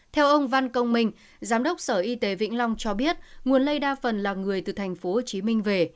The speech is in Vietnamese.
theo ông văn công minh giám đốc sở y tế vĩnh long cho biết nguồn lây đa phần là người từ thành phố hồ chí minh về